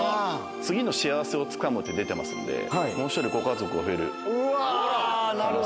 次の幸せをつかむって出てますんで、もう１人ご家族が増える。